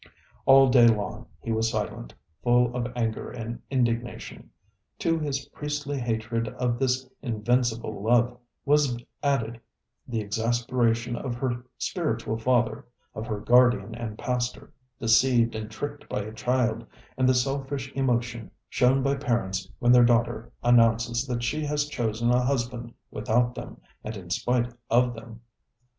All day long he was silent, full of anger and indignation. To his priestly hatred of this invincible love was added the exasperation of her spiritual father, of her guardian and pastor, deceived and tricked by a child, and the selfish emotion shown by parents when their daughter announces that she has chosen a husband without them, and in spite of them.